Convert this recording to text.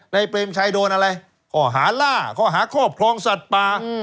ในเปรมชัยโดนอะไรขอหาล่าขอหาขอบครองสัตว์ปลาอืม